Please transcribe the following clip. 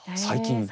最近？